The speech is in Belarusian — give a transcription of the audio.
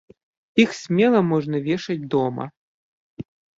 Іх смела можна вешаць дома.